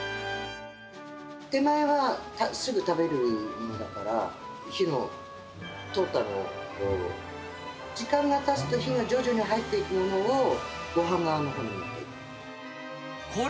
手前はすぐ食べるものだから、火の通ったものを、時間がたつと、火が徐々に入っていくものをごはん側のほうに盛っていく。